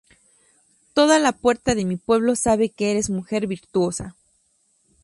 toda la puerta de mi pueblo sabe que eres mujer virtuosa.